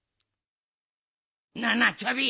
なあなあチョビ。